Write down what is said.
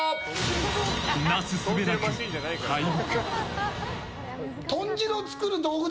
なすすべなく敗北！